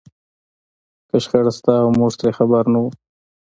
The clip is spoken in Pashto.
که شخړه شته او موږ ترې خبر نه وو.